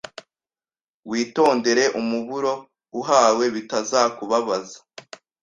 Witondere umuburo uhawe bitazakubabaza